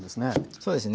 そうですね。